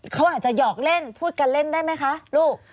เขาอาจจะหยอกเล่นพูดกันเล่นได้ไหมคะลูก